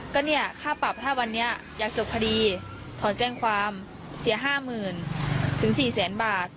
ก็เนี่ยค่าปรับถ้าวันนี้อยากจบคดีถอนแจ้งความเสีย๕๐๐๐ถึง๔แสนบาท